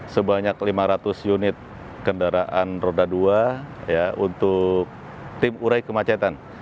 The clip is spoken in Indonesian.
sebanyak lima ratus unit kendaraan roda dua untuk tim urai kemacetan